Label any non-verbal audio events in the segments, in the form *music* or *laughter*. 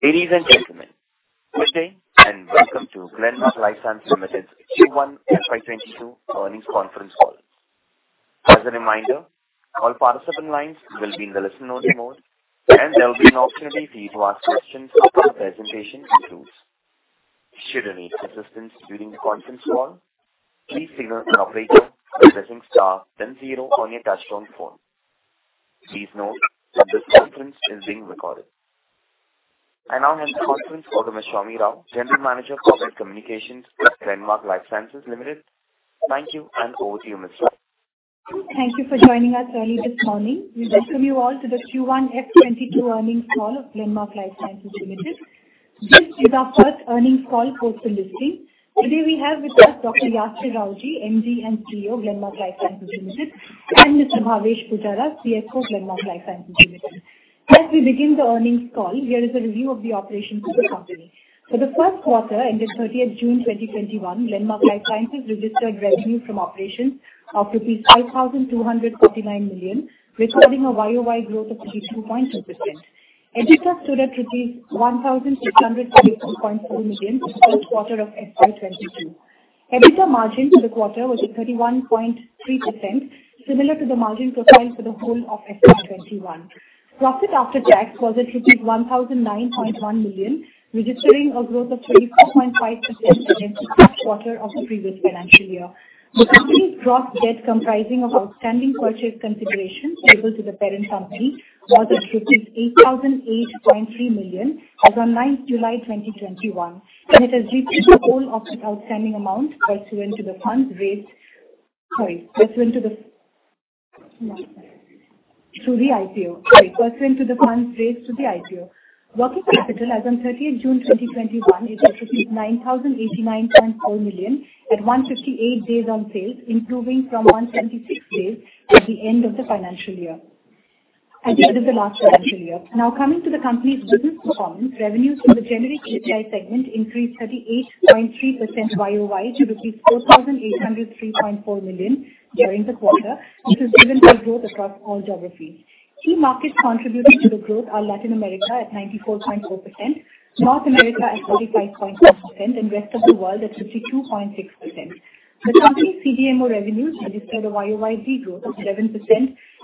Ladies and gentlemen, good day and welcome to Glenmark Life Sciences Limited's Q1 FY22 earnings conference call. As a reminder, all participant lines will be in the listen-only mode, and there will be an opportunity to ask questions when the presentation concludes. I now hand the conference over to Soumi Rao, General Manager of Corporate Communications, Glenmark Life Sciences Limited. Thank you, and over to you, Miss Rao. Thank you for joining us early this morning. We welcome you all to the Q1 FY 2022 earnings call of Glenmark Life Sciences Limited. This is our first earnings call post-listing. Today we have with us Dr. Yasir Rawjee, MD and CEO, Glenmark Life Sciences Limited, and Mr. Bhavesh Pujara, CFO, Glenmark Life Sciences Limited. As we begin the earnings call, here is a review of the operations of the company. For the first quarter ended 30th June 2021, Glenmark Life Sciences registered revenue from operations of rupees 5,249 million, recording a YOY growth of 32.2%. EBITDA stood at 1,650.4 million for the quarter of FY 2022. EBITDA margin for the quarter was at 31.3%, similar to the margin profile for the whole of FY 2021. Profit after tax was at rupees 1,009.1 million, registering a growth of 34.5% against the first quarter of the previous financial year. The company's gross debt comprising of outstanding purchase considerations payable to the parent company was at 8,008.3 million as on ninth July 2021, and it has repaid the whole of its outstanding amount pursuant to the funds raised through the IPO. Working capital as on 30th June 2021 is at 9,089.4 million at 158 days on sales, improving from 176 days at the end of the financial year. I think this is the last financial year. Coming to the company's business performance. Revenues from the generic API segment increased 38.3% YOY to rupees 4,803.4 million during the quarter. This is driven by growth across all geographies. Key markets contributing to the growth are Latin America at 94.4%, North America at 35.5%, and rest of the world at 52.6%. The company's CDMO revenues registered a YOY growth of 11%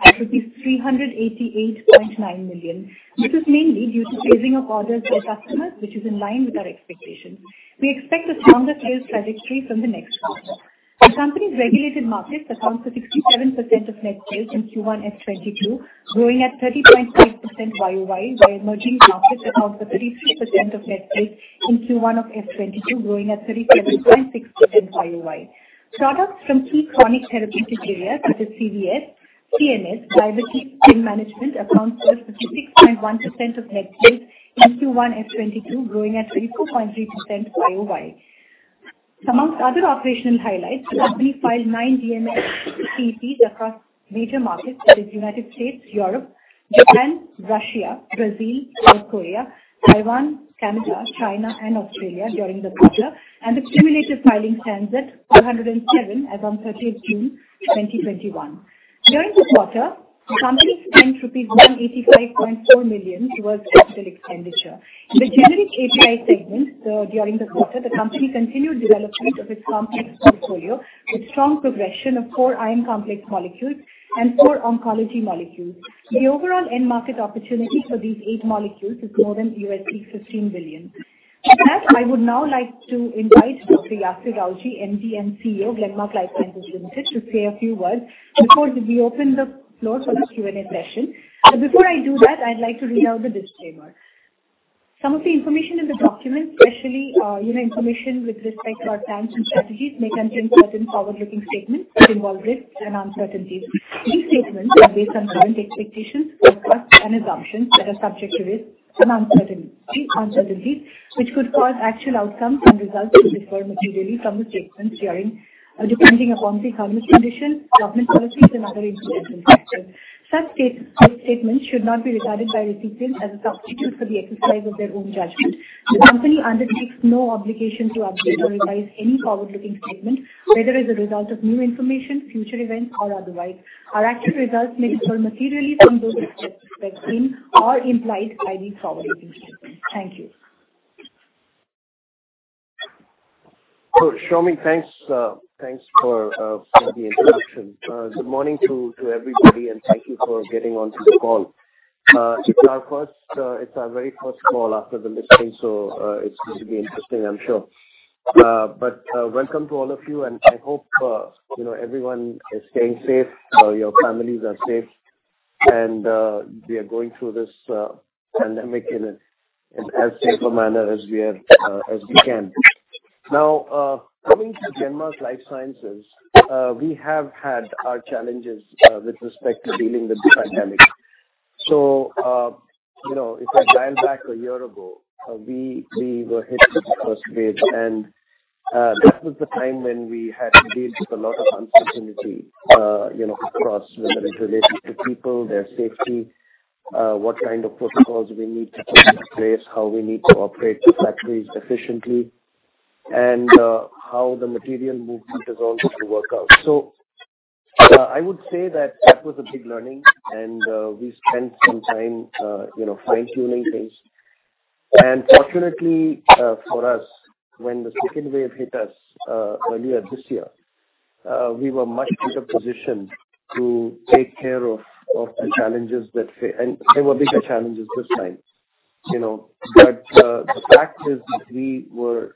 at rupees 388.9 million. This is mainly due to phasing of orders by customers, which is in line with our expectations. We expect a stronger sales trajectory from the next quarter. The company's regulated markets account for 67% of net sales in Q1 FY22, growing at 30.5% YOY, while emerging markets account for 33% of net sales in Q1 of FY22, growing at 37.6% YOY. Products from key chronic therapeutic areas such as CVS, CNS, diabetes, pain management accounts for 56.1% of net sales in Q1 FY22, growing at 44.3% YOY. Amongst other operational highlights, the company filed 9 DMF/CEP across major markets, that is U.S., Europe, Japan, Russia, Brazil, South Korea, Taiwan, Canada, China, and Australia during the quarter, and the cumulative filing stands at 107 as on 30th June 2021. During this quarter, the company spent rupees 185.4 million towards CapEx. In the generic API segment, during the quarter, the company continued development of its complex portfolio with strong progression of four iron complex molecules and four oncology molecules. The overall end market opportunity for these eight molecules is more than $15 billion. With that, I would now like to invite Dr. Yasir Rawjee, MD and CEO of Glenmark Life Sciences Limited, to say a few words before we open the floor for the Q&A session. Before I do that, I'd like to read out the disclaimer. Some of the information in the document, especially, information with respect to our plans and strategies, may contain certain forward-looking statements that involve risks and uncertainties. These statements are based on current expectations, forecasts, and assumptions that are subject to risks and uncertainty, which could cause actual outcomes and results to differ materially from the statements, depending upon the economic conditions, government policies, and other influential factors. Such statements should not be regarded by recipients as a substitute for the exercise of their own judgment. The company undertakes no obligation to update or revise any forward-looking statement, whether as a result of new information, future events, or otherwise. Our actual results may differ materially from those expressed, foreseen, or implied by these forward-looking statements. Thank you. Soumi, thanks. Thanks for the introduction. Good morning to everybody. Thank you for getting onto the call. It's our very first call after the listing. It's going to be interesting, I'm sure. Welcome to all of you. I hope everyone is staying safe, your families are safe. We are going through this pandemic in as safe a manner as we can. Coming to Glenmark Life Sciences, we have had our challenges with respect to dealing with the pandemic. If I dial back a year ago, we were hit with the first wave. That was the time when we had to deal with a lot of uncertainty, whether it's related to people, their safety, what kind of protocols we need to put in place, how we need to operate the factories efficiently. How the material movement is also going to work out. I would say that that was a big learning and we spent some time fine-tuning things. Fortunately for us, when the second wave hit us earlier this year, we were much better positioned to take care of the challenges. There were bigger challenges this time. The fact is that we were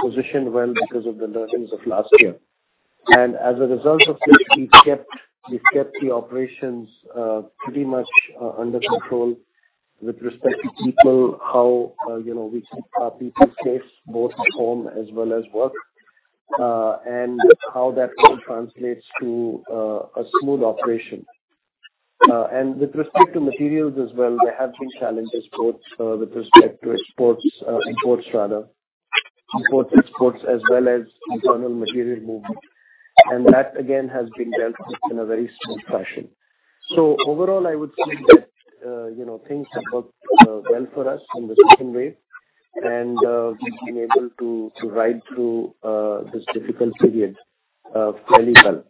positioned well because of the learnings of last year. As a result of this, we've kept the operations pretty much under control with respect to people, how we keep our people safe, both at home as well as work, and how that all translates to a smooth operation. With respect to materials as well, there have been challenges both with respect to exports, imports rather, imports, exports as well as internal material movement. That, again, has been dealt with in a very smooth fashion. Overall, I would say that things have worked well for us in the second wave and we've been able to ride through this difficult period fairly well.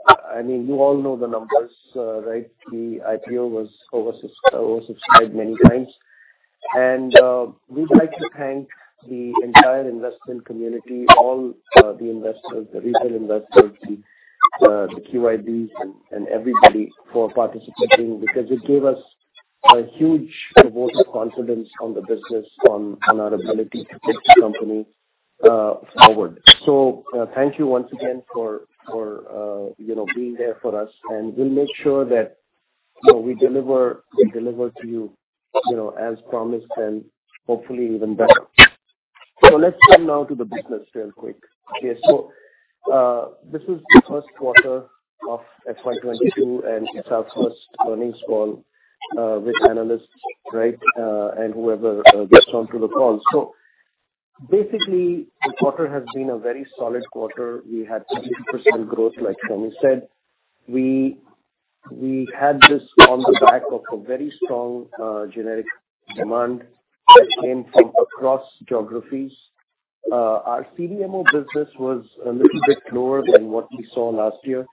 Coming to the IPO. You all know the numbers, right? The IPO was oversubscribed many times. We'd like to thank the entire investment community, all the investors, the retail investors, the QIBs, and everybody for participating because it gave us a huge vote of confidence on the business, on our ability to take the company forward. Thank you once again for being there for us, and we'll make sure that we deliver to you as promised and hopefully even better. Let's turn now to the business real quick. Okay. This is the first quarter of FY 2022, and it's our first earnings call with analysts and whoever has joined to the call. Basically, the quarter has been a very solid quarter. We had 15% growth, like Soumi said. We had this on the back of a very strong generic demand that came from across geographies. Our CDMO business was a little bit lower than what we saw last year.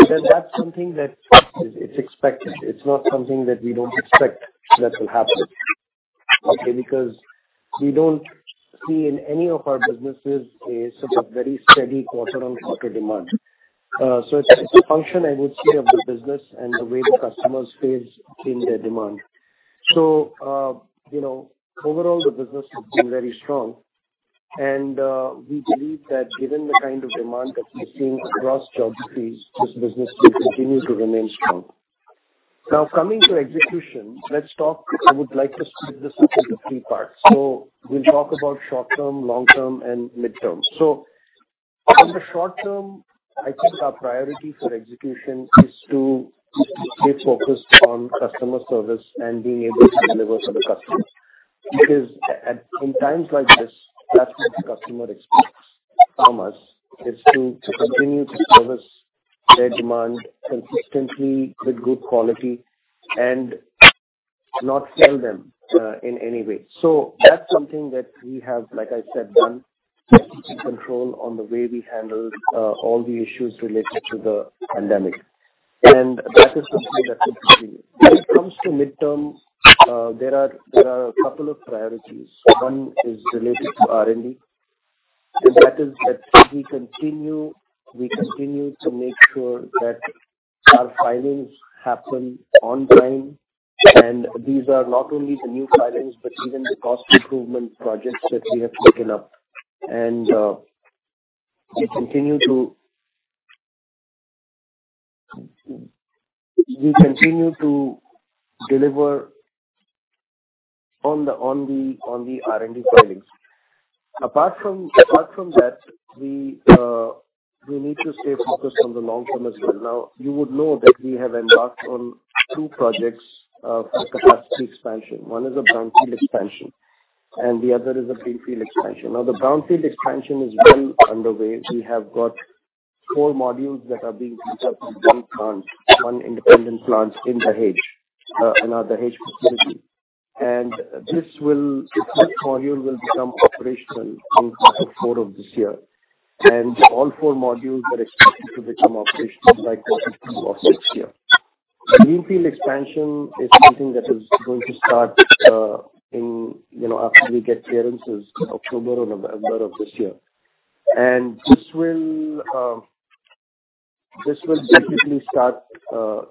That's something that it's expected. It's not something that we don't expect that will happen. Okay. Because we don't see in any of our businesses a sort of very steady quarter-on-quarter demand. It's a function, I would say, of the business and the way the customers phase in their demand. Overall, the business has been very strong. We believe that given the kind of demand that we're seeing across geographies, this business will continue to remain strong. Coming to execution, let's talk. I would like to split this up into three parts. We'll talk about short term, long term, and midterm. On the short term, I think our priority for execution is to stay focused on customer service and being able to deliver for the customers. In times like this, that's what the customer expects from us, is to continue to service their demand consistently with good quality and not fail them in any way. That's something that we have, like I said, done to keep control on the way we handle all the issues related to the pandemic. That is something that will continue. When it comes to midterm, there are a couple of priorities. One is related to R&D, and that is that we continue to make sure that our filings happen on time. These are not only the new filings, but even the cost improvement projects that we have taken up. We continue to deliver on the R&D filings. Apart from that, we need to stay focused on the long term as well. Now, you would know that we have embarked on two projects of capacity expansion. 1 is a brownfield expansion and the other is a greenfield expansion. The brownfield expansion is well underway. We have got 4 modules that are being built as one plant, one independent plant in Dahej and at Dahej facility. This module will become operational in quarter four of this year, and all four modules are expected to become operational by quarter two of next year. The greenfield expansion is something that is going to start after we get clearances October or November of this year. This will basically start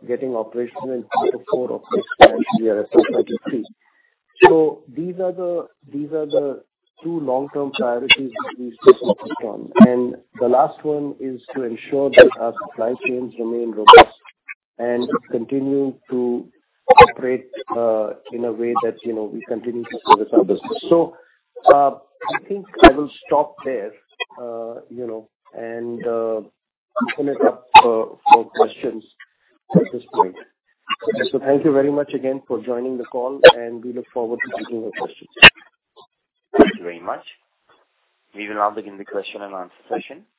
getting operational in quarter four of this current year, FY 2023. These are the two long-term priorities that we stay focused on. The last one is to ensure that our supply chains remain robust and continue to operate in a way that we continue to service our business. I think I will stop there and open it up for questions at this point. Thank you very much again for joining the call and we look forward to taking your questions. Thank you very much. We will now begin the question and answer session.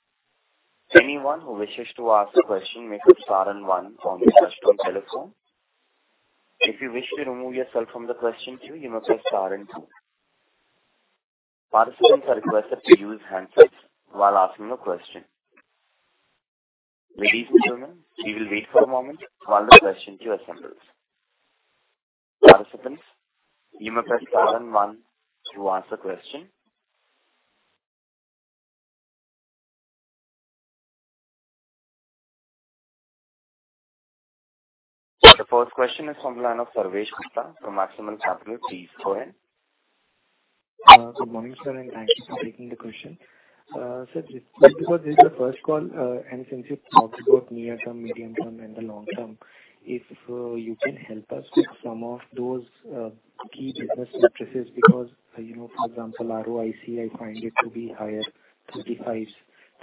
The first question is from the line of Sarvesh Gupta from Maximal Capital. Please go ahead. Good morning, sir, and thanks for taking the question. Sir, just because this is the first call, and since you talked about near-term, medium-term, and the long-term, if you can help us with some of those key business metrics. Because, for example, ROIC, I find it to be higher, 35%,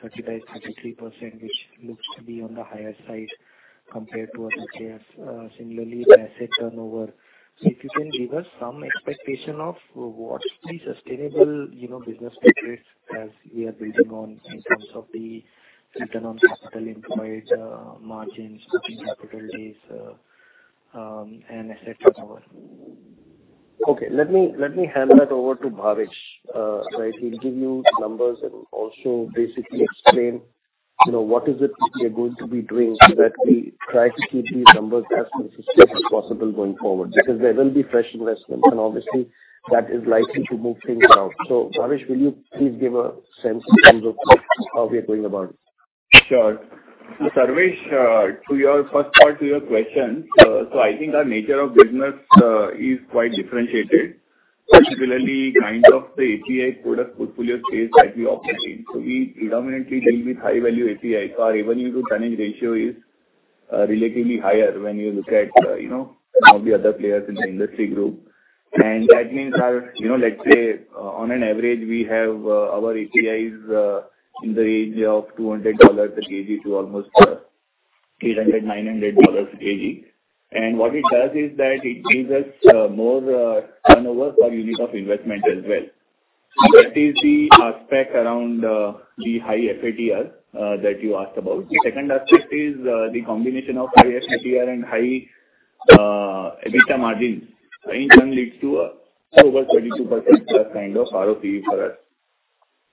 33%, which looks to be on the higher side compared to other peers. Similarly, the asset turnover. If you can give us some expectation of what's the sustainable business metrics as we are building on in terms of the return on capital employed, margins, free capital days, and asset turnover. Okay. Let me hand that over to Bhavesh. He'll give you numbers and also basically explain what is it that we are going to be doing so that we try to keep these numbers as consistent as possible going forward. Because there will be fresh investments, and obviously, that is likely to move things around. Bhavesh, will you please give a sense in terms of how we are going about it? Sure. Sarvesh, to your first part to your question. I think our nature of business is quite differentiated. Particularly, the API product portfolio is slightly operating. We predominantly deal with high-value APIs. Our revenue to tonnage ratio is relatively higher when you look at some of the other players in the industry group. That means, let's say, on an average, our APIs in the range of INR 200 a kg to almost INR 800-900 a kg. What it does is that it gives us more turnover per unit of investment as well. That is the aspect around the high FATR that you asked about. The second aspect is the combination of high FATR and high EBITDA margins. In turn, leads to a over 32% kind of ROCE for us.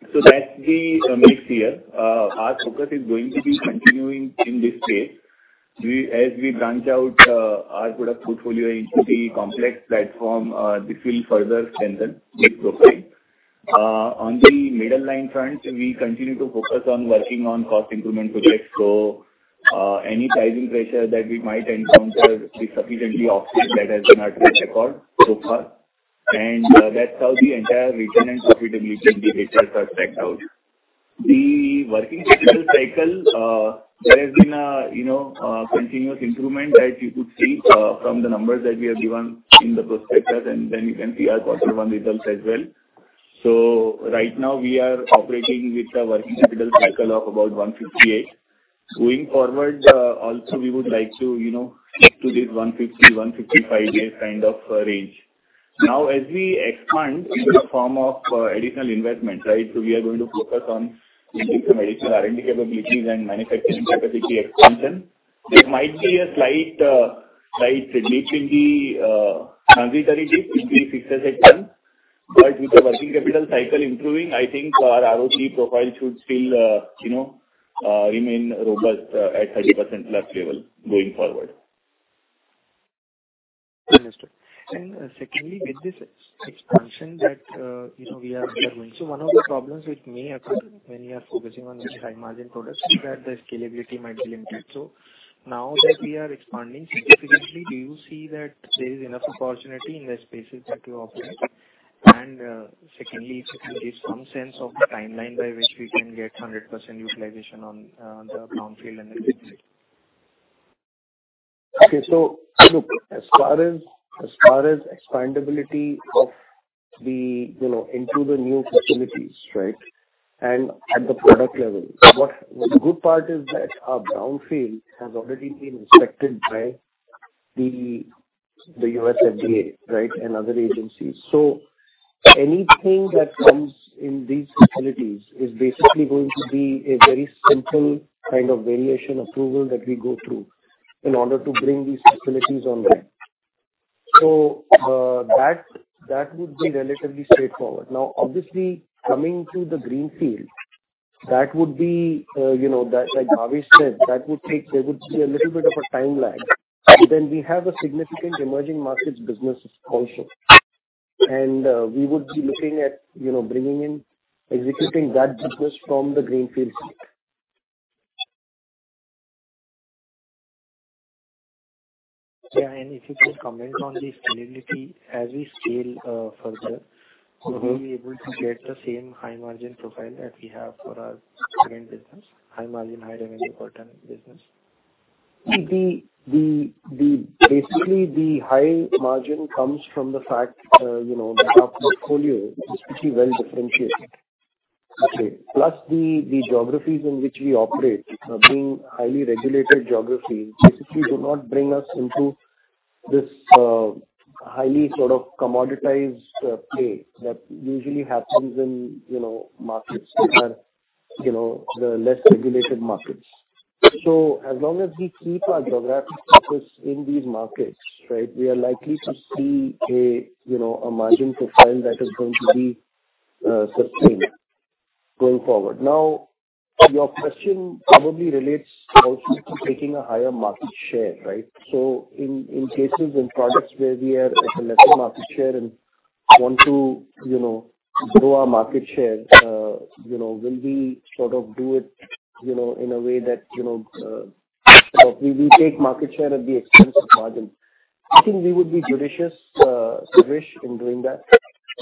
That's the mix here. Our focus is going to be continuing in this space. As we branch out our product portfolio into the complex platform, this will further strengthen the profile. On the middle line front, we continue to focus on working on cost improvement projects. Any pricing pressure that we might encounter is sufficiently offset that has been our track record so far. That's how the entire return and profitability behaviors are stacked out. The working capital cycle, there has been a continuous improvement that you could see from the numbers that we have given in the prospectus, you can see our quarter one results as well. Right now we are operating with a working capital cycle of about 158. Going forward, also we would like to stick to this 150, 155 day kind of range. As we expand into the form of additional investment, we are going to focus on increasing our R&D capabilities and manufacturing capacity expansion. There might be a slight dip in the momentary dip in the fixed asset turn, but with the working capital cycle improving, I think our ROCE profile should still remain robust at 30%+ level going forward. Understood. Secondly, with this expansion that we are going to, one of the problems which may occur when we are focusing on these high-margin products is that the scalability might be limited. Now that we are expanding significantly, do you see that there is enough opportunity in the spaces that you operate? Secondly, if you can give some sense of the timeline by which we can get 100% utilization on the brownfield and the greenfield. Okay. Look, as far as expandability into the new facilities and at the product level, the good part is that our brownfield has already been inspected by the U.S. FDA and other agencies. Anything that comes in these facilities is basically going to be a very simple kind of variation approval that we go through in order to bring these facilities online. That would be relatively straightforward. Now, obviously, coming to the greenfield, like Bhavesh said, there would be a little bit of a time lag. We have a significant emerging markets business also. We would be looking at bringing in, executing that business from the greenfield site. Yeah. If you could comment on the scalability as we scale further. Will we able to get the same high margin profile that we have for our current business, high margin, high revenue alternative business? The high margin comes from the fact that our portfolio is pretty well differentiated. Okay. The geographies in which we operate, being highly regulated geographies, basically do not bring us into this highly commoditized space that usually happens in markets that are the less regulated markets. As long as we keep our geographic focus in these markets, right, we are likely to see a margin profile that is going to be sustained going forward. Your question probably relates also to taking a higher market share, right? In cases, in products where we are at a lesser market share and want to grow our market share, will we do it in a way that we take market share at the expense of margin? I think we would be judicious, Sarvesh, in doing that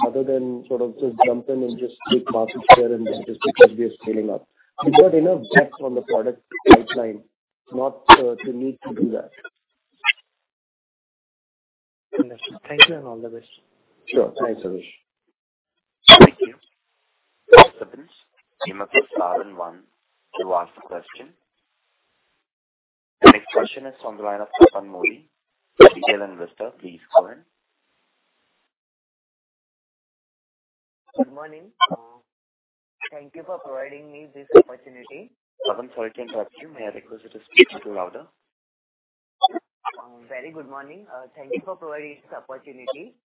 other than just jumping and just take market share and then just because we are scaling up. We've got enough depth on the product pipeline, not to need to do that. Understood. Thank you and all the best. Sure. Thanks, Sarvesh. Thank you. Operators. You may mute star and one to ask the question. The next question is on the line of Saha Mody. Please go ahead. Good morning. Thank you for providing me this opportunity. Saha, sorry to interrupt you. May I request you to speak louder? Very good morning. Thank you for providing this opportunity.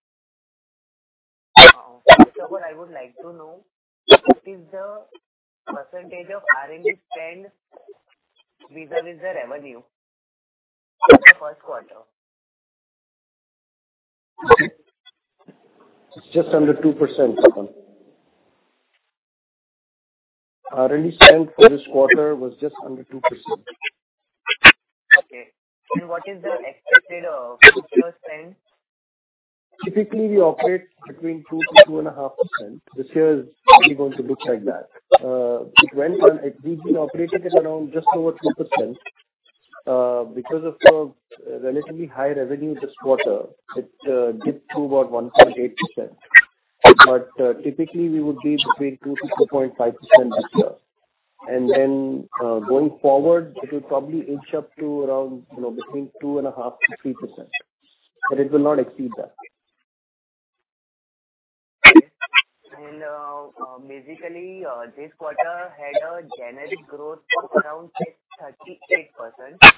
*audio distortion* I would like to know what is the percentage of R&D spend vis-a-vis the revenue for first quarter? It's just under 2%, Saha. R&D spend for this quarter was just under 2%. Okay. What is the expected future spend? Typically, we operate between 2%-2.5%. This year is probably going to look like that. We've been operating at around just over 2%. Because of relatively high revenue this quarter, it dipped to about 1.8%. Typically, we would be between 2%-2.5% this year. Going forward, it will probably inch up to around between 2.5%-3%, but it will not exceed that. Okay. Basically, this quarter had a generic growth of around 38%.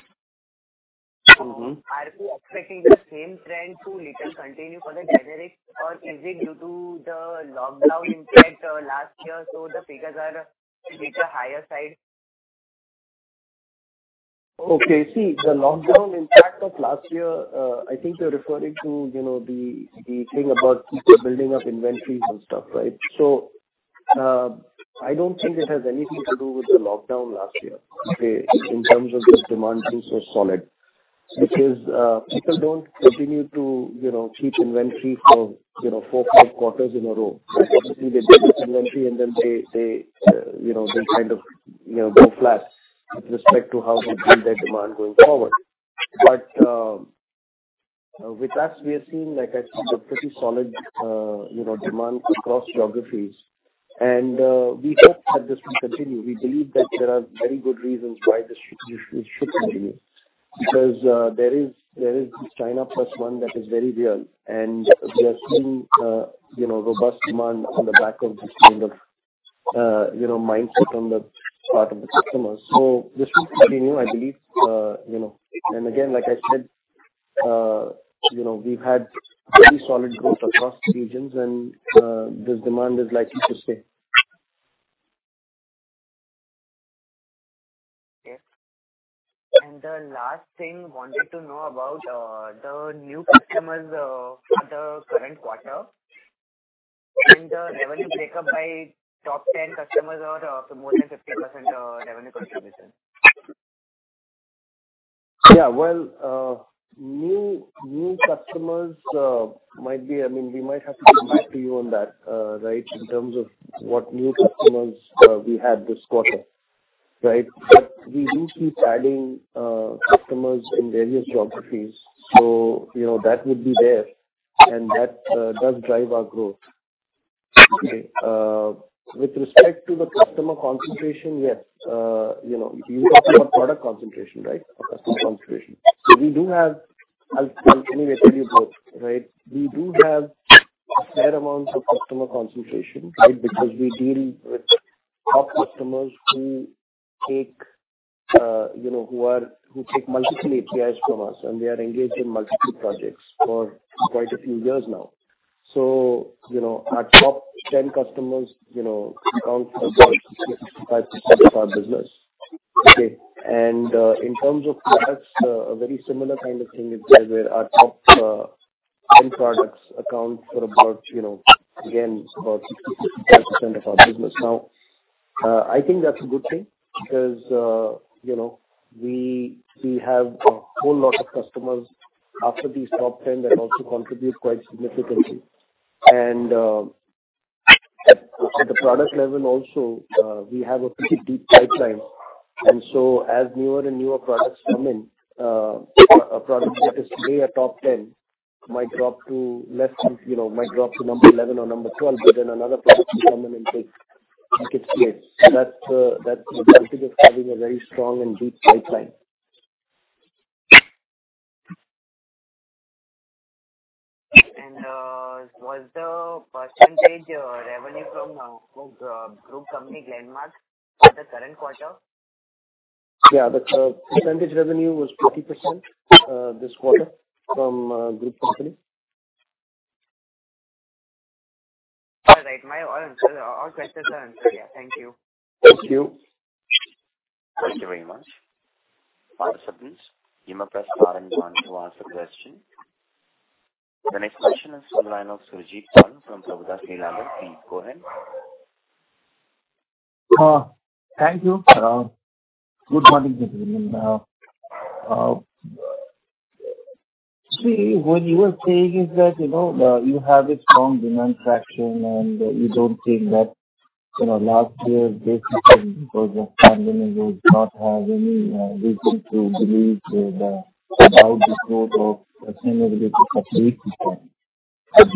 Are you expecting the same trend to later continue for the generic or is it due to the lockdown impact last year, so the figures are a bit higher side? Okay. See, the lockdown impact of last year, I think you're referring to the thing about people building up inventories and stuff, right? I don't think it has anything to do with the lockdown last year, okay, in terms of this demand being so solid. People don't continue to keep inventory for 4, 5 quarters in a row, right? Obviously, they build this inventory and then they kind of go flat with respect to how they build their demand going forward. With us, we are seeing, like I said, a pretty solid demand across geographies. We hope that this will continue. We believe that there are very good reasons why this should continue, because there is this China plus one that is very real, and we are seeing robust demand on the back of this kind of mindset on the part of the customers. This will continue, I believe. Again, like I said, we've had pretty solid growth across regions and this demand is likely to stay. Okay. The last thing I wanted to know about the new customers for the current quarter and the revenue breakup by top 10 customers or for more than 50% revenue contribution. Yeah, well, new customers, we might have to come back to you on that, right, in terms of what new customers we had this quarter. Right? We do keep adding customers in various geographies, so that would be there, and that does drive our growth. Okay. With respect to the customer concentration, yes. You were talking of product concentration, right? Or customer concentration? Actually, let me tell you both. Right? We do have fair amounts of customer concentration, right? We deal with top customers who take multiple APIs from us, and they are engaged in multiple projects for quite a few years now. Our top 10 customers account for about 65% of our business. Okay. In terms of products, a very similar kind of thing is there where our top 10 products account for about, again, about 65% of our business. I think that's a good thing because we have a whole lot of customers after these top 10 that also contribute quite significantly. At the product level also, we have a pretty deep pipeline. As newer and newer products come in, a product that is today a top 10 might drop to number 11 or number 12, but then another player will come in and take sixth place. That's the benefit of having a very strong and deep pipeline. Was the percentage revenue from group company Glenmark for the current quarter? Yeah. The percentage revenue was 50% this quarter from group company. All right. All questions are answered. Yeah. Thank you. Thank you. Thank you very much. Participants, you may press star and one to ask a question. The next question is from the line of Surjit Pal from Prabhudas Lilladher. Please go ahead. Thank you. Good morning. What you are saying is that, you have a strong demand traction, and you don't think that last year's basic does not have any reason to believe that the growth of sustainability for three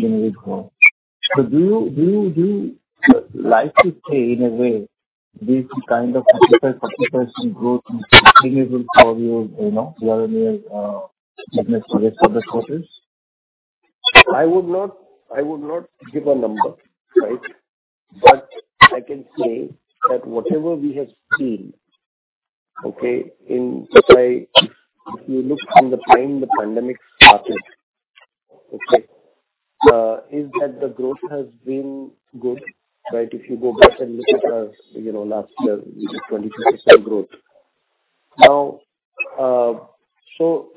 years would grow. Do you like to say in a way, this kind of 50% growth is sustainable for your year-on-year business for the quarters? I would not give a number. I can say that whatever we have seen, okay, if you look from the time the pandemic started, okay, is that the growth has been good, right? If you go back and look at last year, we did 22% growth.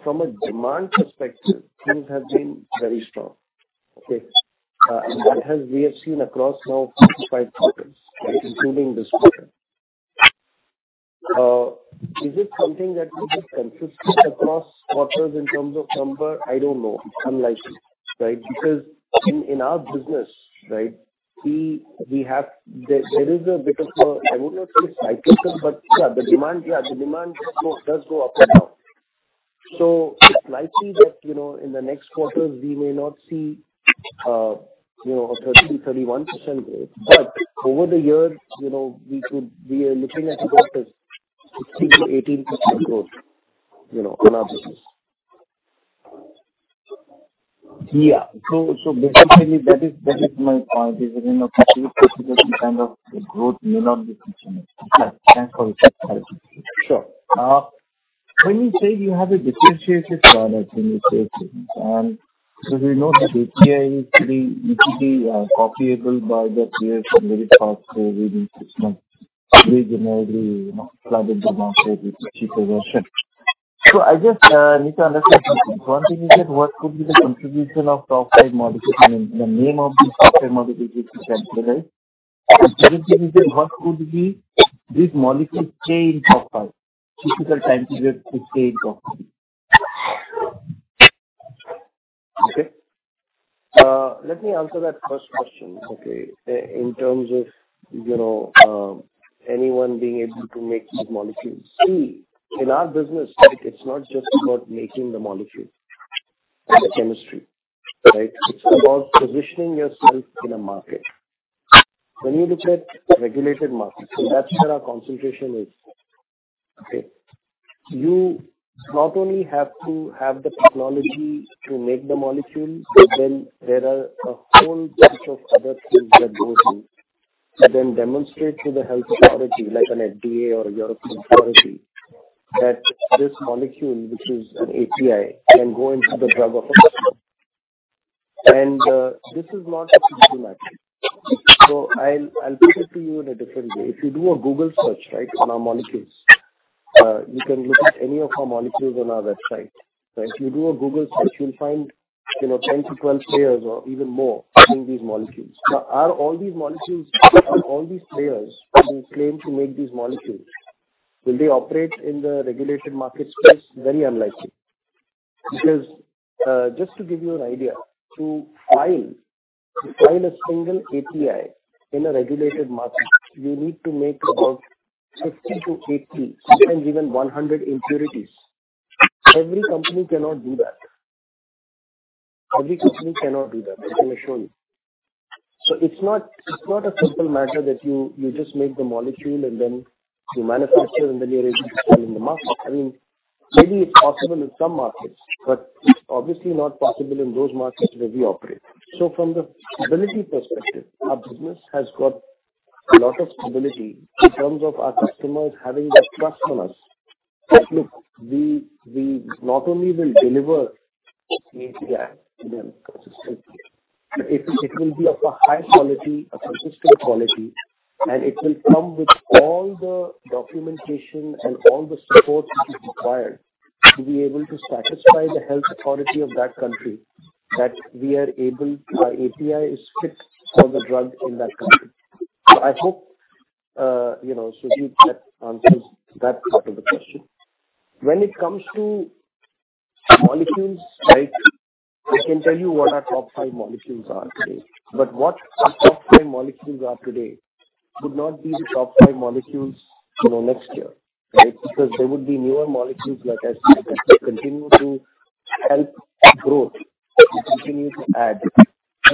From a demand perspective, things have been very strong. Okay. That we have seen across now four to five quarters, including this quarter. Is it something that will be consistent across quarters in terms of number? I don't know. It's unlikely. In our business, there is a bit of a, I would not say, cyclical, but yeah, the demand does go up and down. It's likely that, in the next quarters, we may not see a 13%, 31% growth. Over the years, we are looking at a growth of 16%-18% growth in our business. Yeah. Basically, that is my point is, you know, continuous kind of growth may not be sustainable. Thanks for your time. Sure. When you say you have a differentiated product, when you say things, we know that API is pretty easily copyable by the peers and very fast within six months. Every, generally, flooded the market with cheaper version. I just need to understand two things. One thing is that what could be the contribution of top five molecules? I mean, the name of these top five molecules if you can tell us. Second thing is that what could be these molecules change of typical time period to change of Okay. Let me answer that first question, okay, in terms of anyone being able to make these molecules. In our business, it's not just about making the molecule and the chemistry. It's about positioning yourself in a market. When you look at regulated markets, that's where our concentration is. You not only have to have the technology to make the molecule, there are a whole bunch of other things that go through. You demonstrate to the health authority, like an FDA or European authority, that this molecule, which is an API, can go into the drug of a patient. This is not a simple matter. I'll put it to you in a different way. If you do a Google search on our molecules, you can look at any of our molecules on our website. If you do a Google search, you'll find 10-12 players or even more making these molecules. Are all these players who claim to make these molecules, will they operate in the regulated market space? Very unlikely. Just to give you an idea, to file a single API in a regulated market, you need to make about 60-80, sometimes even 100 impurities. Every company cannot do that. I can assure you. It's not a simple matter that you just make the molecule and then you manufacture and then you're able to sell in the market. I mean, maybe it's possible in some markets, but it's obviously not possible in those markets where we operate. From the stability perspective, our business has got a lot of stability in terms of our customers having that trust on us that, look, we not only will deliver API to them consistently, but it will be of a high quality, a consistent quality, and it will come with all the documentation and all the support which is required to be able to satisfy the health authority of that country, that our API is fit for the drug in that country. I hope, Surjeet, that answers that part of the question. When it comes to molecules, I can tell you what our top five molecules are today. What our top five molecules are today would not be the top five molecules next year, right? There would be newer molecules that I see that will continue to help growth and continue to add.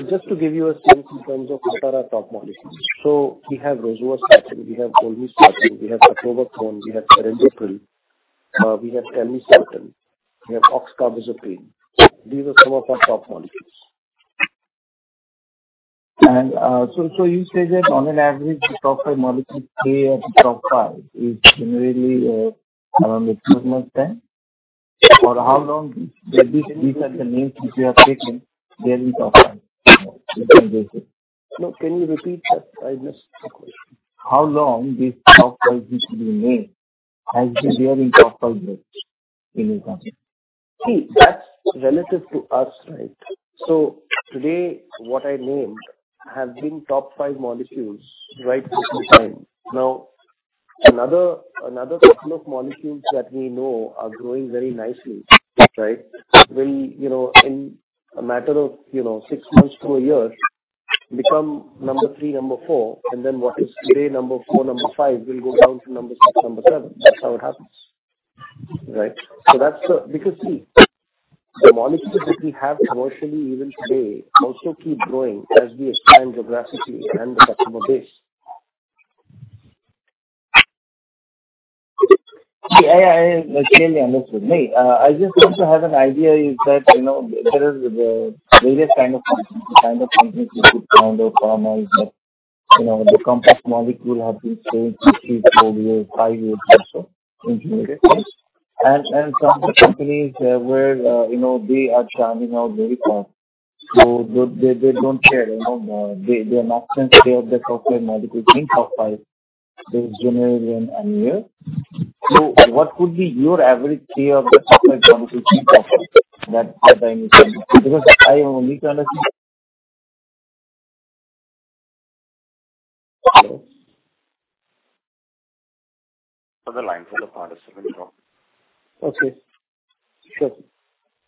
Just to give you a sense in terms of what are our top molecules. We have rosuvastatin, we have colesevelam, we have eplerenone, we have perindopril, we have telmisartan, we have oxcarbazepine. These are some of our top molecules. You say that on an average, the top five molecules stay at the top five is generally around a two-year span? Or how long these are the names which you have taken, they're in top five? No. Can you repeat that? I missed the question. How long these top five, which you named, have been there in top five gross in your company? See, that's relative to us, right? Today, what I named have been top five molecules right at this time. Another set of molecules that we know are growing very nicely, right, will, in a matter of six months to a year, become number three, number four, and then what is today number four, number five, will go down to number six, number seven. That's how it happens. Right? See, the molecules that we have commercially even today also keep growing as we expand geographically and the customer base. See, I clearly understood. No. I just want to have an idea is that there is various kind of companies. The kind of companies which founder pharmacies that the complex molecule have been staying two, three, four years, five years or so in generics, right? Some of the companies where they are churning out very fast. They don't care. Their maximum stay of their top five molecules in top five is generally one year. What could be your average stay of the top five molecules in top five? That I need to understand. I need to understand. On the line for the participant, dropped. Okay, sure.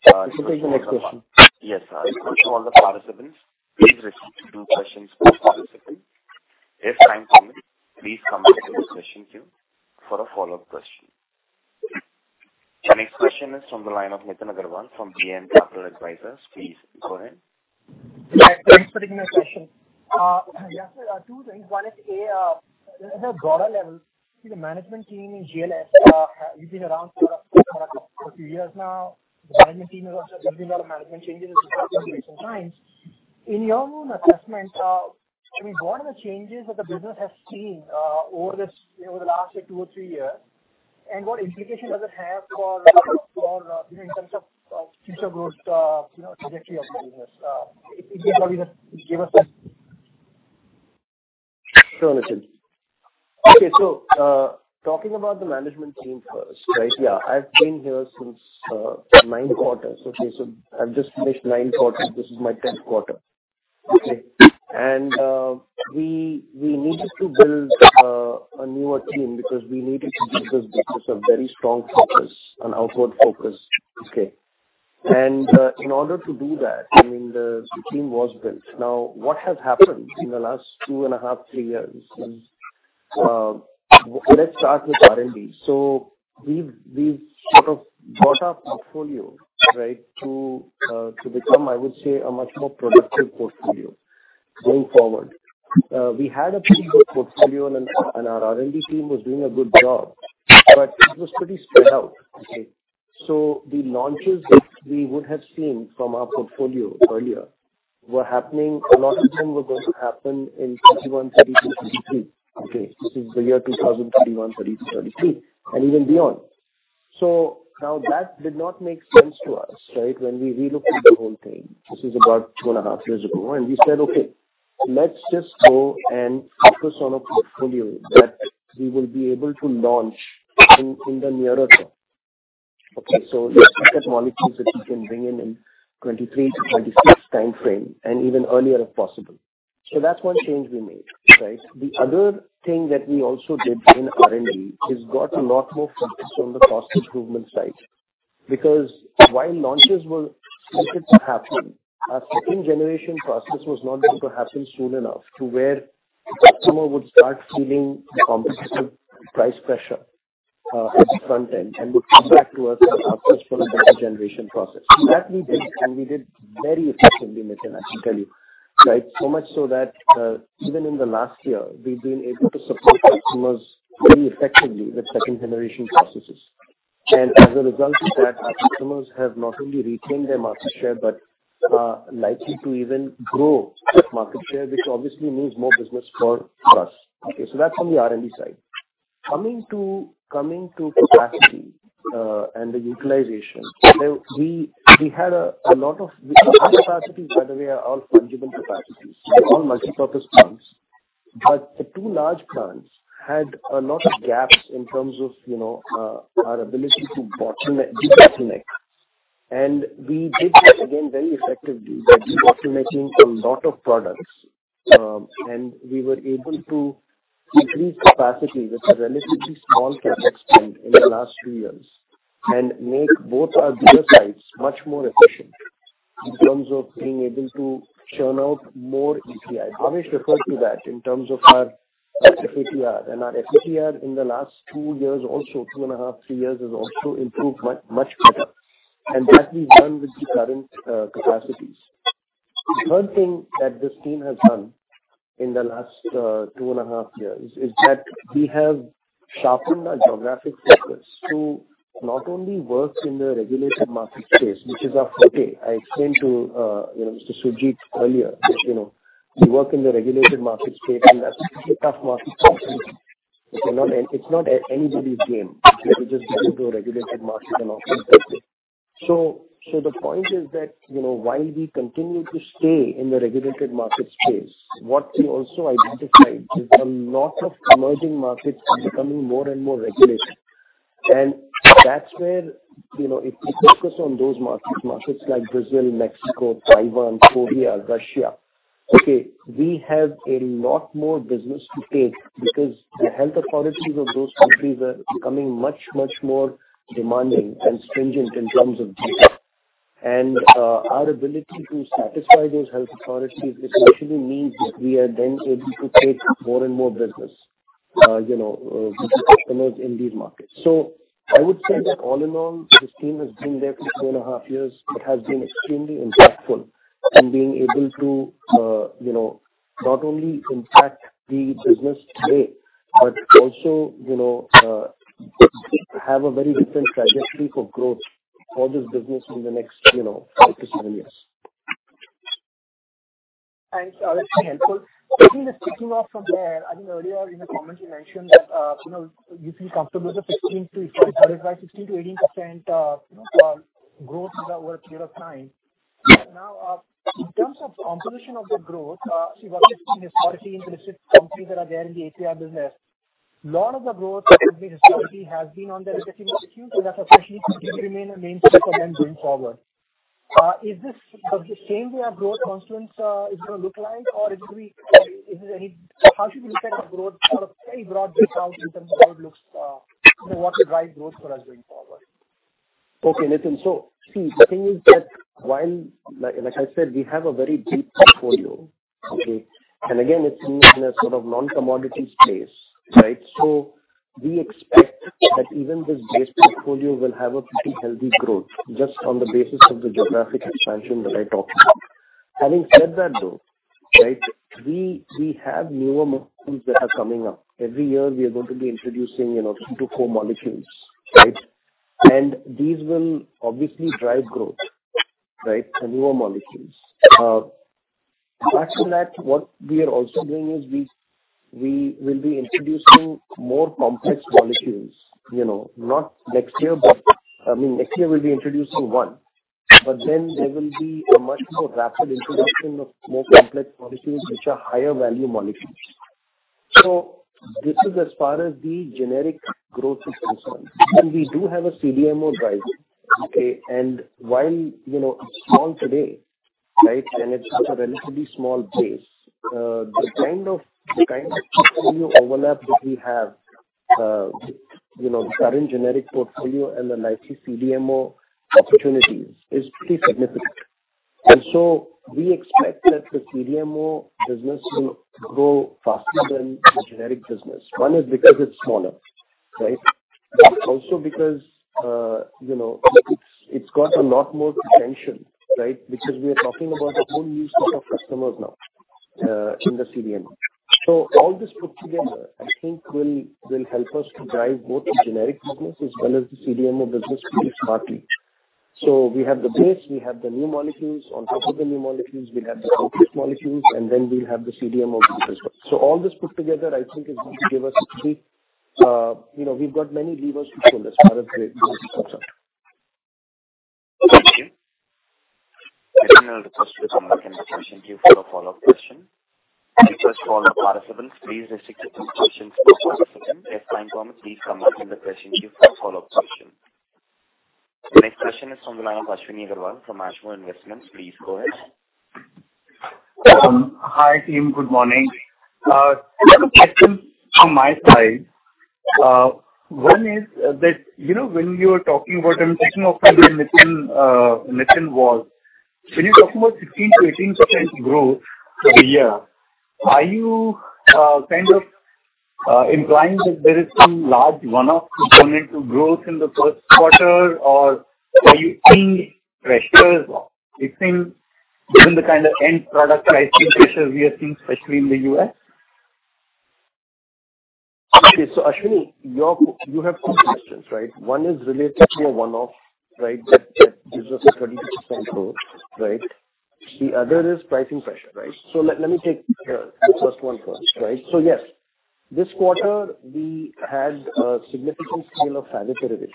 I should take the next question. Yes. Instructions to all the participants. Please restrict to two questions per participant. If time permits, please come back to the session queue for a follow-up question. The next question is from the line of Nitin Agarwal from DAM Capital Advisors. Please go ahead. Thanks for taking my question. Yasir. Two things. One is A, at a broader level, the management team in GLS, you've been around for a few years now. The management team has also been doing a lot of management changes as you have done recent times. In your own assessment, I mean, what are the changes that the business has seen over the last two or three years, and what implication does it have in terms of future growth trajectory of the business? If you probably just give us that. Sure, Nitin. Okay. Talking about the management team first, right? Yeah, I've been here since 9 quarters. Okay. I've just finished 9 quarters. This is my 10th quarter. Okay. We needed to build a newer team because we needed to give this business a very strong focus, an outward focus. Okay. In order to do that, I mean, the team was built. Now, what has happened in the last two and a half, three years is. Let's start with R&D. We've sort of got our portfolio, right, to become, I would say, a much more productive portfolio going forward. We had a pretty good portfolio and our R&D team was doing a good job. It was pretty spread out. Okay. The launches that we would have seen from our portfolio earlier, a lot of them were going to happen in 2021, 2022, 2023. Okay? This is the year 2021, 2022, 2023, and even beyond. That did not make sense to us, right, when we relooked at the whole thing. This is about two and a half years ago. We said, "Okay, let's just go and focus on a portfolio that we will be able to launch in the nearer term." Okay. Let's look at molecules that we can bring in in 2023-2026 timeframe, and even earlier, if possible. That's one change we made, right? The other thing that we also did in R&D is got a lot more focus on the cost improvement side. While launches were slated to happen, our second-generation process was not going to happen soon enough to where the customer would start feeling the competitive price pressure at the front end and would come back to us and ask us for a better generation process. That we did, and we did very effectively, Nitin, I can tell you. So much so that even in the last year, we've been able to supply customers very effectively with second-generation processes. As a result of that, our customers have not only retained their market share but are likely to even grow market share, which obviously means more business for us. That's on the R&D side. Coming to capacity and the utilization. Our capacities, by the way, are all fungible capacities. They're all multipurpose plants. The two large plants had a lot of gaps in terms of our ability to debottleneck. We did this again very effectively by debottlenecking a lot of products, and we were able to increase capacity with a relatively small CapEx spend in the last two years and make both our dealer sites much more efficient in terms of being able to churn out more API. Bhavesh referred to that in terms of our FATR. Our FATR in the last two years also, two and a half, three years, has also improved much better. That we've done with the current capacities. The third thing that this team has done in the last two and a half years is that we have sharpened our geographic focus to not only work in the regulated market space, which is our forte. I explained to Mr. Surjeet Pal earlier that we work in the regulated market space and that's a pretty tough market space. It's not anybody's game, okay, to just go to a regulated market and operate there. The point is that while we continue to stay in the regulated market space, what we also identified is a lot of emerging markets are becoming more and more regulated. That's where, if we focus on those markets like Brazil, Mexico, Taiwan, Korea, Russia. We have a lot more business to take because the health authorities of those countries are becoming much, much more demanding and stringent in terms of data. Our ability to satisfy those health authorities essentially means that we are then able to take more and more business with the customers in these markets. I would say that all in all, this team has been there for two and a half years. It has been extremely impactful in being able to not only impact the business today but also have a very different trajectory for growth for this business in the next five to seven years. Thanks, Alot. Helpful. I think just kicking off from there, I think earlier in the comments you mentioned that you feel comfortable with the 15%-18% growth over a period of time. In terms of composition of that growth, see what we've seen historically in the different companies that are there in the API business, lot of the growth that we've seen historically has been on the legacy portfolio. That essentially will remain a mainstay for them going forward. Is this the same way our growth confluence is going to look like? How should we look at our growth sort of very broad brush out in terms of what the right growth for us going forward? Okay, Nitin. See, the thing is that while, like I said, we have a very deep portfolio. Again, it's in a sort of non-commodity space, right? We expect that even this base portfolio will have a pretty healthy growth just on the basis of the geographic expansion that I talked about. Having said that, though, we have newer molecules that are coming up. Every year, we are going to be introducing three to four molecules. These will obviously drive growth. The newer molecules. Add to that, what we are also doing is we will be introducing more complex molecules. Next year we'll be introducing one. There will be a much more rapid introduction of more complex molecules, which are higher value molecules. This is as far as the generic growth is concerned. We do have a CDMO driver. While it's small today, and it's also a relatively small base. The kind of portfolio overlap that we have, the current generic portfolio and the likely CDMO opportunities is pretty significant. We expect that the CDMO business will grow faster than the generic business. One is because it's smaller. Also because it's got a lot more attention. Because we are talking about a whole new set of customers now in the CDMO. All this put together, I think will help us to drive both the generic business as well as the CDMO business pretty smartly. We have the base, we have the new molecules. On top of the new molecules, we have the complex molecules, and then we'll have the CDMO piece as well. All this put together, we've got many levers to pull as far as the business is concerned. Thank you. Original request with another conversation queue for a follow-up question. First call participants, please restrict your discussions to one participant. If time permits, please come back in the question queue for a follow-up question. The next question is from the line of Ashwini Agarwal from Ashmore Investments. Please go ahead. Hi, team. Good morning. Two other questions from my side. One is that, when you were talking about, I'm taking off from where Nitin was. When you're talking about 16%-18% growth for the year, are you kind of implying that there is some large one-off component to growth in the first quarter? Or are you seeing pressures, given the kind of end product pricing pressures we are seeing, especially in the U.S.? Okay. Ashwini, you have two questions. One is related to a one-off that gives us a 22% growth. The other is pricing pressure. Let me take the first 1 first. Yes, this quarter we had a significant sale of favipiravir.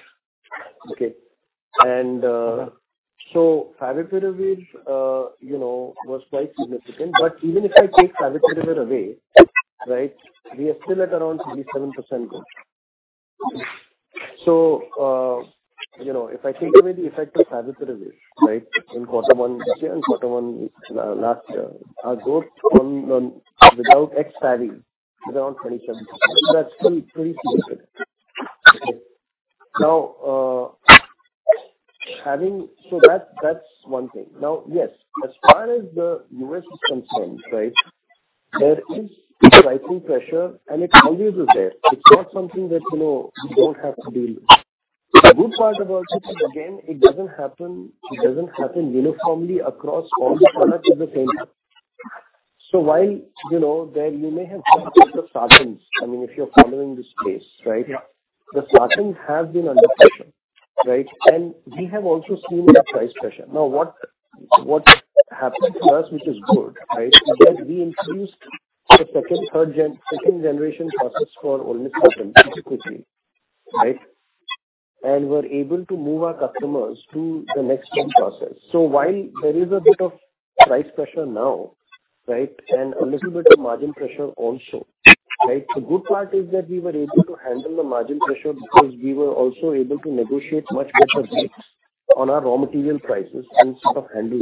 Favipiravir was quite significant. Even if I take favipiravir away, we are still at around 37% growth. If I take away the effect of favipiravir in quarter 1 this year and quarter 1 last year, our growth without ex-favi is around 27%. That's still pretty significant. Okay. That's one thing. Now, yes, as far as the U.S. is concerned, right, there is pricing pressure, and it always is there. It's not something that we don't have to deal with. The good part about it is, again, it doesn't happen uniformly across all the products of the same time. While you may have heard of sartans, if you're following this space, right? Yeah. The sartans have been under pressure. Right. We have also seen a price pressure. Now, what happened to us, which is good, right, is that we increased the 2nd generation process for only sartan basically, right? We're able to move our customers to the next gen process. While there is a bit of price pressure now, right, and a little bit of margin pressure also. The good part is that we were able to handle the margin pressure because we were also able to negotiate much better deals on our raw material prices and sort of handle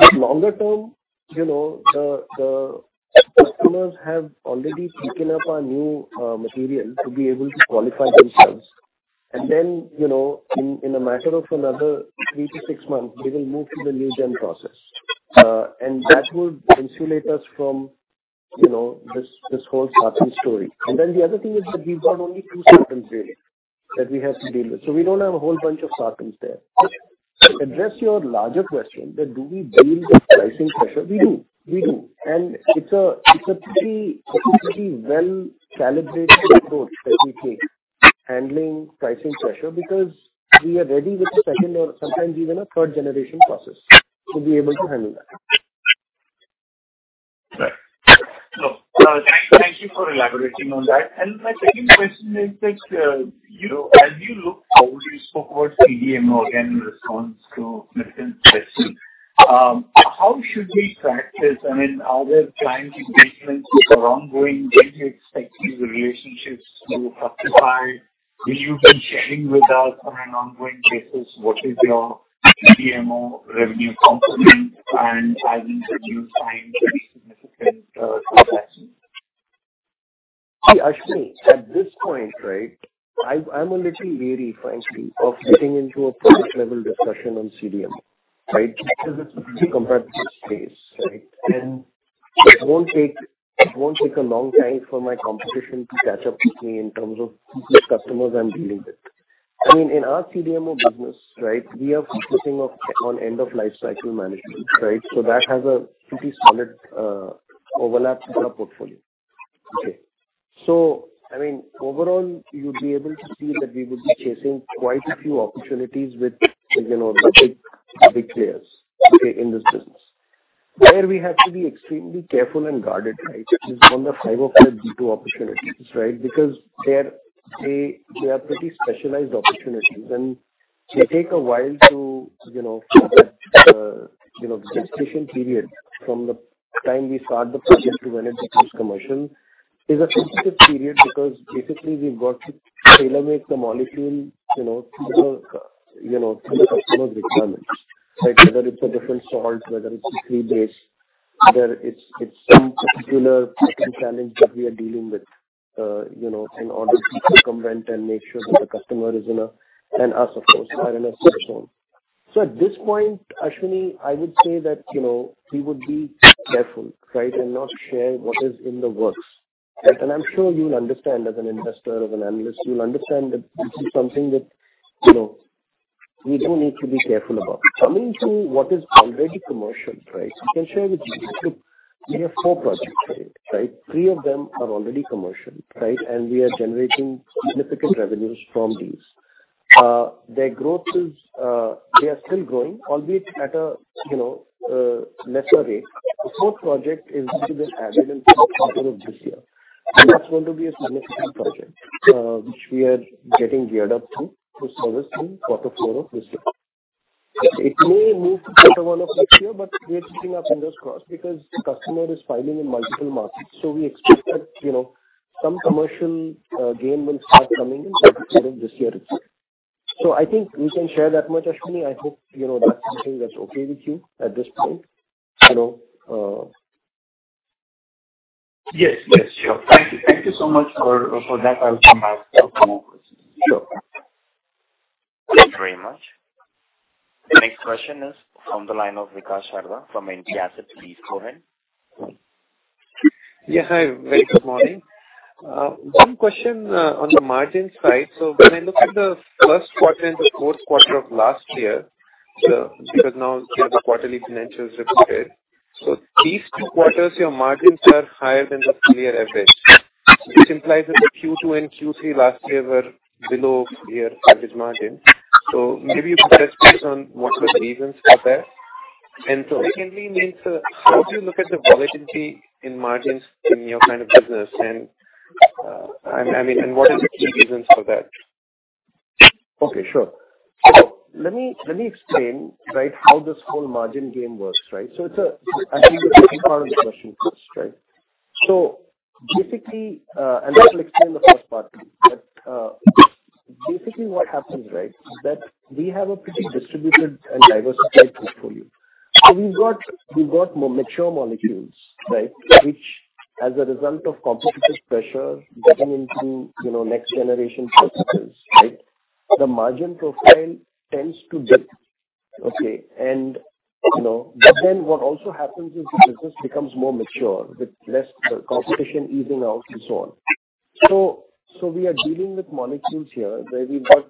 that. Longer term, the customers have already taken up our new material to be able to qualify themselves. Then, in a matter of another three to six months, they will move to the new gen process. That will insulate us from this whole sartan story. The other thing is that we've got only two sartans really that we have to deal with. We don't have a whole bunch of sartans there. To address your larger question that do we deal with pricing pressure? We do. We do. It's a pretty well-calibrated approach that we take handling pricing pressure because we are ready with a second or sometimes even a third-generation process to be able to handle that. Right. Thank you for elaborating on that. My second question is that, as you look forward, you spoke about CDMO in response to Nitin's question. How should we track this? Are there client engagements which are ongoing? When do you expect these relationships to justify? Will you be sharing with us on an ongoing basis what is your CDMO revenue component and having a new sign, any significant transactions? See, Ashwini, at this point, right, I'm a little leery, frankly, of getting into a project-level discussion on CDMO. Right? It's a pretty competitive space, right? It won't take a long time for my competition to catch up with me in terms of the customers I'm dealing with. In our CDMO business, right, we are focusing on end-of-life cycle management, right? That has a pretty solid overlap in our portfolio. Okay. Overall, you'd be able to see that we would be chasing quite a few opportunities with the big players, okay, in this business. Where we have to be extremely careful and guarded, right, is on the high-potency opportunities, right? They are pretty specialized opportunities, and they take a while to get the registration period from the time we start the project to when it becomes commercial. Is a sensitive period because basically we've got to tailor-make the molecule through the customer's requirements, right? Whether it's a different salt, whether it's a free base, whether it's some particular second challenge that we are dealing with in order to circumvent and make sure that the customer is in a, and us, of course, are in a safe zone. At this point, Ashwini, I would say that we would be careful, right, and not share what is in the works. I'm sure you'll understand as an investor or an analyst, you'll understand that this is something that we do need to be careful about. Coming to what is already commercial, right, we can share with you. Look, we have four projects, right? three of them are already commercial, right, and we are generating significant revenues from these. They are still growing, albeit at a lesser rate. The fourth project is to be added in quarter of this year. That's going to be a significant project, which we are getting geared up to service in quarter four of this year. It may move to quarter one of next year, but we are keeping our fingers crossed because the customer is filing in multiple markets. We expect that some commercial gain will start coming in the second half of this year itself. I think we can share that much, Ashwini. I hope that's something that's okay with you at this point. Yes, sure. Thank you so much for that. I'll come back with more questions. Sure. Thank you very much. The next question is from the line of Vikas Sharda from NTAsset. Please go ahead. Yeah. Hi, very good morning. One question on the margin side. When I look at the first quarter and the fourth quarter of last year, because now the quarterly financial is reported. These two quarters, your margins are higher than the prior average. This implies that the Q2 and Q3 last year were below your average margin. Maybe you could elaborate on what the reasons are there. Secondly, how do you look at the volatility in margins in your kind of business, and what are the key reasons for that? Okay, sure. Let me explain, right, how this whole margin game works. Right? I think the second part of the question first, right? That will explain the first part too. Basically what happens, right, is that we have a pretty distributed and diversified portfolio. We've got more mature molecules, right? As a result of competitive pressure getting into next-generation processes, the margin profile tends to dip. Okay. What also happens is the business becomes more mature with less competition easing out and so on. We are dealing with molecules here where we got.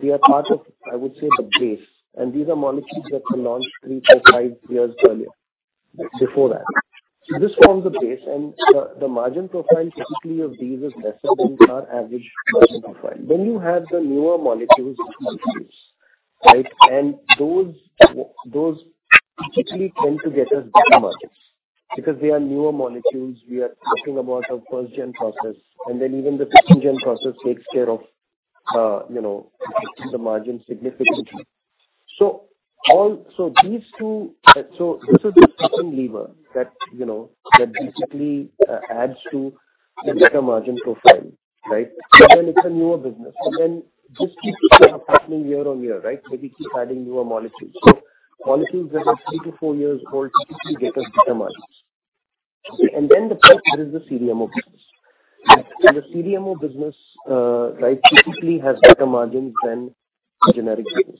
They are part of, I would say, the base, and these are molecules that were launched three to five years earlier before that. This forms the base and the margin profile typically of these is lesser than our average margin profile. You have the newer molecules which we produce. Those typically tend to get us better margins. Because they are newer molecules, we are talking about a first-gen process, and then even the second-gen process takes care of the margin significantly. This is the second lever that basically adds to the better margin profile. It's a newer business. This keeps happening year on year. Where we keep adding newer molecules. Molecules that are three to four years old typically get us better margins. The third is the CDMO business. The CDMO business typically has better margins than the generic business.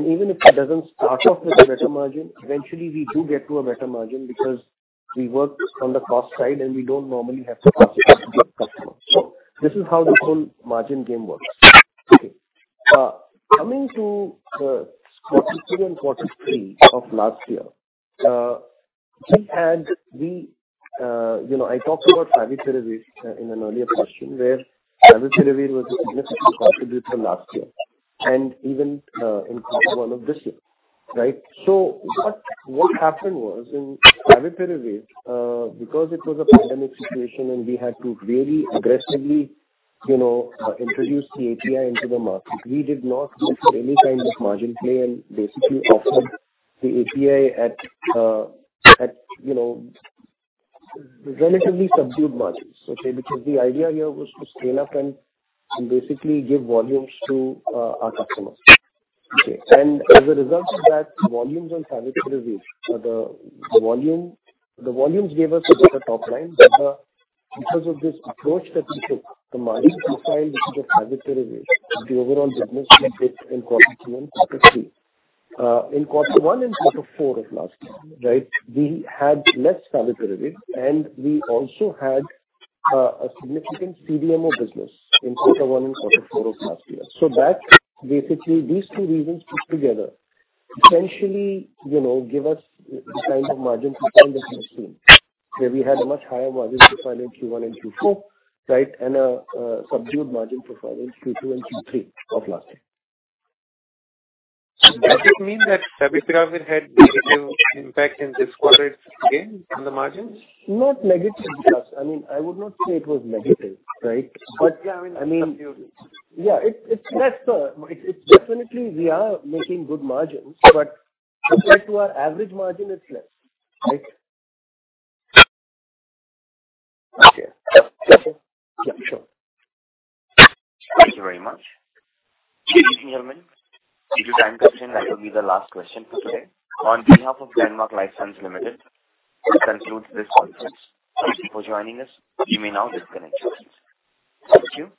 Even if it doesn't start off with a better margin, eventually we do get to a better margin because we work from the cost side and we don't normally have the customers. This is how the whole margin game works. Coming to the Q2 and Q3 of last year, I talked about favipiravir in an earlier question where favipiravir was a significant contributor last year and even in Q1 of this year. What happened was in favipiravir, because it was a pandemic situation and we had to very aggressively introduce the API into the market, we did not make any kind of margin play and basically offered the API at relatively subdued margins. The idea here was to scale up and basically give volumes to our customers. As a result of that, volumes on favipiravir, the volumes gave us a better top line. Because of this approach that we took, the margin profile, which is a favipiravir, the overall business we took in Q2 and Q3. In Q1 and Q4 of last year, we had less favipiravir, and we also had a significant CDMO business in Q1 and Q4 of last year. Basically these two reasons put together essentially give us the kind of margin profile that you have seen, where we had a much higher margin profile in Q1 and Q4, and a subdued margin profile in Q2 and Q3 of last year. Does it mean that favipiravir had negative impact in this quarter again on the margins? Not negative because I would not say it was negative. Yeah, I mean subdued. It's lesser. Definitely we are making good margins, but compared to our average margin, it's less. Okay. Is that okay? Yeah, sure. Thank you very much. Ladies and gentlemen, due to time constraint, that will be the last question for today. On behalf of Glenmark Life Sciences Limited, this concludes this conference. Thank you for joining us. You may now disconnect your lines. Thank you.